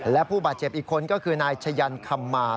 และผู้บาดเจ็บอีกคนก็คือนายชะยันคำมา